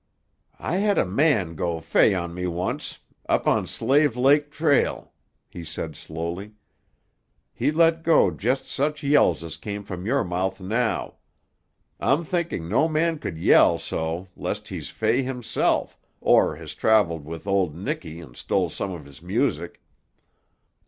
"I had a man go fey on me once, up on the Slave Lake trail," he said slowly. "He let go just such yells as came from your mouth now. I'm thinking no man could yell so lest he's fey himself, or has travelled wi' auld Nickie and stole some of his music."